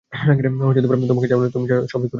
তোমাকে যা বলা হয়েছিল তা ছাড়া তুমি সবই করেছ।